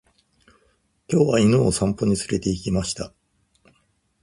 今日は犬を散歩に連れて行きました。